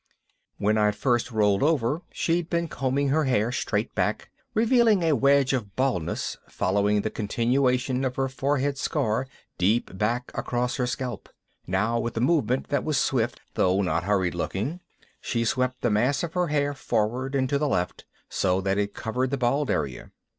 When I'd first rolled over she'd been combing her hair straight back, revealing a wedge of baldness following the continuation of her forehead scar deep back across her scalp. Now with a movement that was swift though not hurried looking she swept the mass of her hair forward and to the left, so that it covered the bald area.